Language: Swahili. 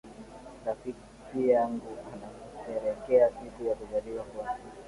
Rafiki yangu anasherehekea siku ya kuzaliwa kwake.